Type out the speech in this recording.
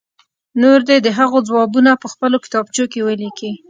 نور دې د هغو ځوابونه په خپلو کتابچو کې ولیکي.